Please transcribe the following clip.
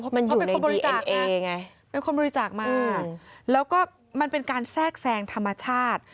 เพราะเป็นคนบริจาคมากแล้วก็มันเป็นการแทรกแซงธรรมชาติ